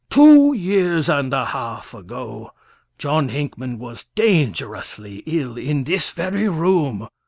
Two years and a half ago, John Hinckman was dangerously ill in this very room.